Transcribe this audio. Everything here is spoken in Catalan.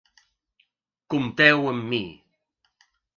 Compteu amb mi.